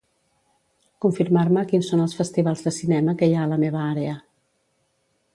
Confirmar-me quins són els festivals de cinema que hi ha a la meva àrea.